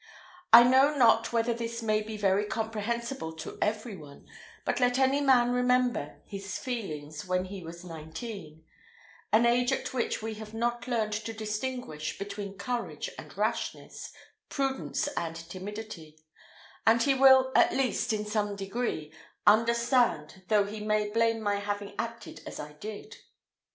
I know not whether this may be very comprehensible to every one, but let any man remember his feelings when he was nineteen an age at which we have not learned to distinguish between courage and rashness, prudence and timidity and he will, at least, in some degree, understand, though he may blame my having acted as I did.